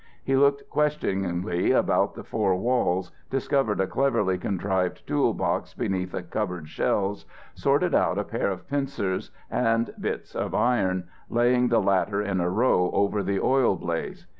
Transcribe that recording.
He looked questioningly about the four walls, discovered a cleverly contrived tool box beneath the cupboard shelves, sorted out a pair of pincers and bits of iron, laying the latter in a row over the oil blaze.